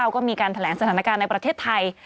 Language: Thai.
ก็มีการแถลงสถานการณ์ในประเทศไทย